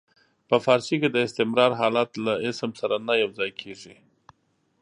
په فارسي کې د استمرار حالت له اسم سره نه یو ځای کیږي.